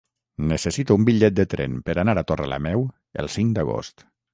Necessito un bitllet de tren per anar a Torrelameu el cinc d'agost.